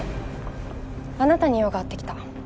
あなたに用があって来た。